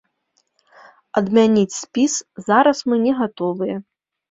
Адмяніць спіс зараз мы не гатовыя.